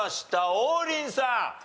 王林さん。